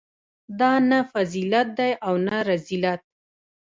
دا نه فضیلت دی او نه رذیلت.